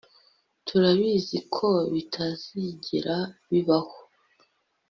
turabizi ko bitazigera bibaho